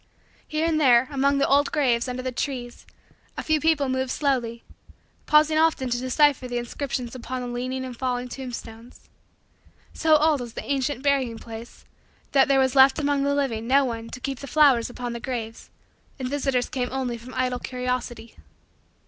Here and there, among the old graves under the trees, a few people moved slowly; pausing often to decipher the inscriptions upon the leaning and fallen tombstones. So old was that ancient burying place that there was left among the living no one to keep the flowers upon the graves and visitors came only from idle curiosity.